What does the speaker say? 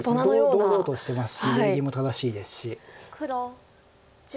堂々としてますし礼儀も正しいですし。